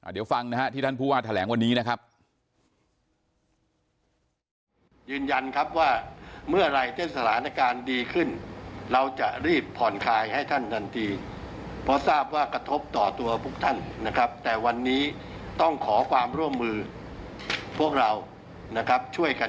เดี๋ยวฟังนะฮะที่ท่านผู้ว่าแถลงวันนี้นะครับ